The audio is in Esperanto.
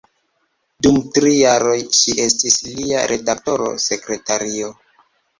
Dum tri jaroj ŝi estis lia redakta sekretario.